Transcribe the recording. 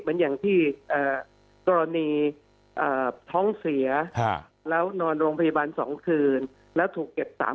เหมือนอย่างที่กรณีท้องเสียแล้วนอนโรงพยาบาล๒คืนแล้วถูกเก็บ๓๐